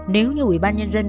nếu như ủy ban nhân dân